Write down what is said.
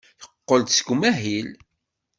Teqqel-d seg umahil.